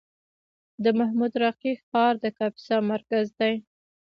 د محمود راقي ښار د کاپیسا مرکز دی